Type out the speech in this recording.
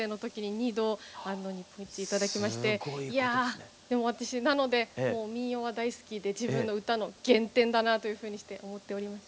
いやでも私なのでもう民謡は大好きで自分の歌の原点だなというふうにして思っております。